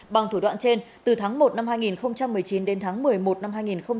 bằng thủ đoạn trên từ tháng một năm hai nghìn một mươi chín đến tháng một mươi một năm hai nghìn hai mươi